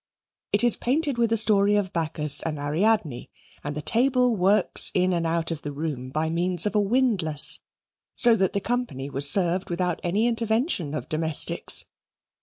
It is painted with the story of Bacchus and Ariadne, and the table works in and out of the room by means of a windlass, so that the company was served without any intervention of domestics.